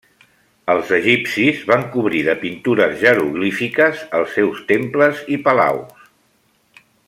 Els egipcis van cobrir de pintures jeroglífiques els seus temples i palaus.